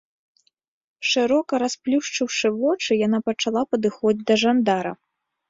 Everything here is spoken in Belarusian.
Шырока расплюшчыўшы вочы, яна пачала падыходзіць да жандара.